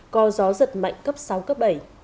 có gió dật mạnh cấp sáu cấp bảy